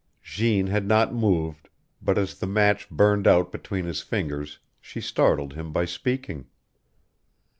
Jeanne had not moved, but as the match burned out between his fingers she startled him by speaking.